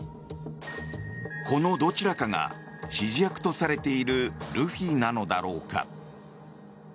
このどちらかが指示役とされているルフィなのだろうか。